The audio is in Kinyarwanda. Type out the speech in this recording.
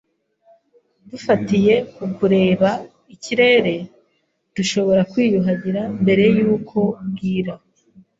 Dufatiye ku kureba ikirere, dushobora kwiyuhagira mbere yuko bwira.